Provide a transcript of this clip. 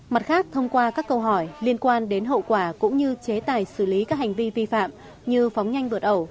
mặt khác thông qua các câu hỏi liên quan đến hậu quả cũng như chế tài xử lý các hành vi vi phạm như phóng nhanh vượt ẩu